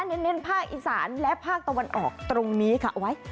เท่านั้นภาคอีสานและภาคตะวันออกตรงนี้ค่ะ